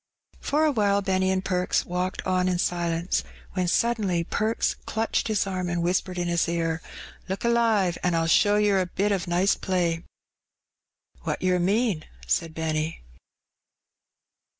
For awhile Benny and Perks walked on in silence, when (uddenly Perks clutched his arm and whispered in his ear — "Look alive, an* Fll show yer a bit of nice play." "What yer mean?" said Benny.